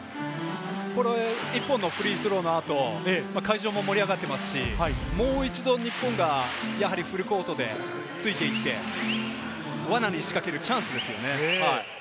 １本のフリースローの後、会場も盛り上がっていますし、もう一度、日本がフルコートでついていって、わなに仕掛けるチャンスですよね。